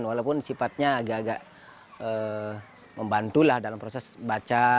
walaupun sifatnya agak agak membantu lah dalam proses baca